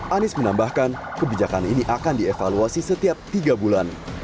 anies menambahkan kebijakan ini akan dievaluasi setiap tiga bulan